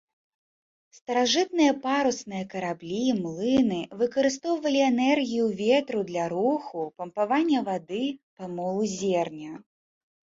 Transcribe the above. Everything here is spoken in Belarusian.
Старажытныя парусныя караблі, млыны, выкарыстоўвалі энергію ветру для руху, пампавання вады, памолу зерня.